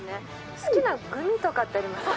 好きなグミとかってありますか？